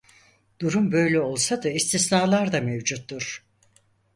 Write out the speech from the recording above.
Durum böyle olsa da istisnalar da mevcuttur.